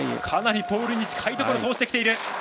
かなりポールに近いところを通してきている。